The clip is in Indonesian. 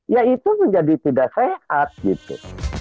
ya itu tuh jadi tidak sehat gitu